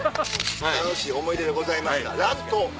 楽しい思い出でございましたラン島。